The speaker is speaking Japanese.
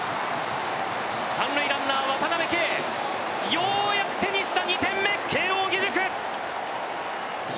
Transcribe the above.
３塁ランナー、渡辺憩ようやく手にした２点目慶応義塾！